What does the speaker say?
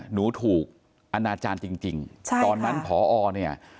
หนูถูกอนาจารย์จริงจริงใช่ตอนนั้นผอเนี่ย